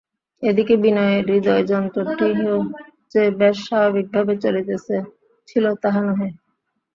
এ দিকে বিনয়ের হৃদয়যন্ত্রটিও যে বেশ স্বাভাবিকভাবে চলিতেছিল তাহা নহে।